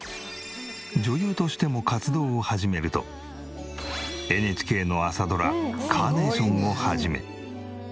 女優としても活動を始めるとＮＨＫの朝ドラ『カーネーション』を始め。